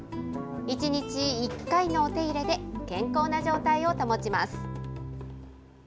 １日１回のお手入れで、健康な状態を保ちます。